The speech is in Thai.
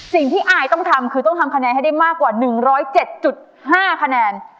สิ่งที่อายต้องทำคือต้องทำคะแนนให้ได้มากกว่า๑๐๗๕คะแนน